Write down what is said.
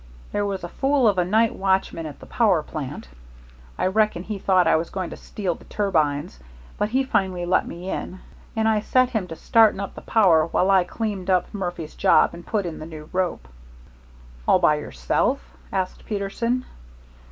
"There was a fool of a night watchman at the power plant I reckon he thought I was going to steal the turbines, but he finally let me in, and I set him to starting up the power while I cleaned up Murphy's job and put in the new rope." "All by yourself?" asked Peterson.